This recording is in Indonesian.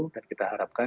dan kita harapkan